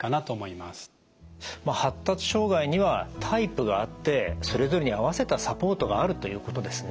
まあ発達障害にはタイプがあってそれぞれに合わせたサポートがあるということですね。